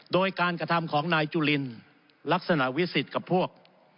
โดยการกระทำของนายจุลินลักษณะวิสิทธิ์กับพวก